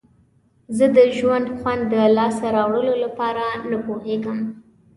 زه د ژوند خوند د لاسته راوړلو لپاره نه پوهیږم.